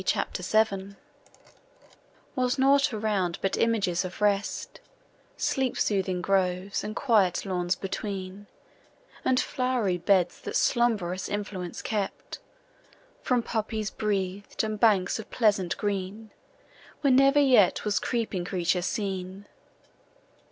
CHAPTER VII Was nought around but images of rest, Sleep soothing groves and quiet lawns between, And flowery beds that slumbrous influence kept, From poppies breath'd, and banks of pleasant green, Where never yet was creeping creature seen.